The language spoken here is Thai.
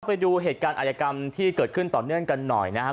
ไปดูเหตุการณ์อาจกรรมที่เกิดขึ้นต่อเนื่องกันหน่อยนะครับ